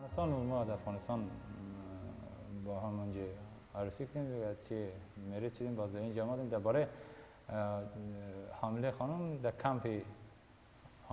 setelah berjalan ke rumah saya datang ke kamp yang dihantui oleh anak saya